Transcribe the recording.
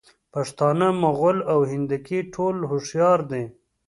پښتانه، مغل او هندکي ټول هوښیار دي.